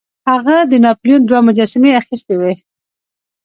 هغه د ناپلیون دوه مجسمې اخیستې وې.